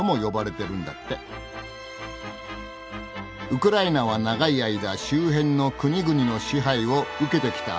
ウクライナは長い間周辺の国々の支配を受けてきた